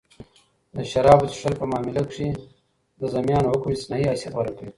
د شرابو څښل په معامله کښي د ذمیانو حکم استثنايي حیثت غوره کوي.